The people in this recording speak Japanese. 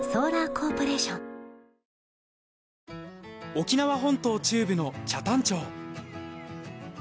沖縄本島中部の北谷町。